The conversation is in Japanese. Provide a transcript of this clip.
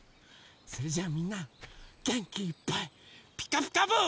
それじゃあみんなげんきいっぱい「ピカピカブ！」。